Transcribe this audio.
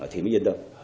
thì mới yên tâm